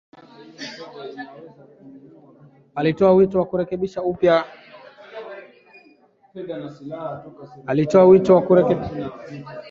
Alitoa wito wa kurekebishwa upya kwa kikosi cha kulinda amani cha Umoja wa Mataifa ili kuwalinda raia dhidi ya unyanyasaji kutoka pande zote katika mzozo.